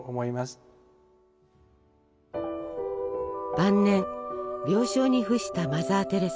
晩年病床に伏したマザー・テレサ。